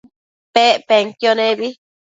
Pec penquio nebi